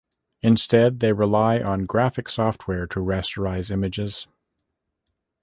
Instead, they rely on graphic software to rasterize images.